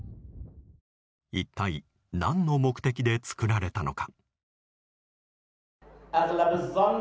一体、何の目的で作られたのか。